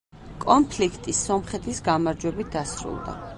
კონფლიქტი სომხეთის გამარჯვებით დასრულდა.